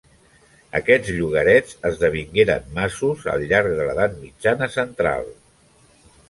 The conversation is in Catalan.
Aquests llogarets esdevingueren masos al llarg de l'edat mitjana central.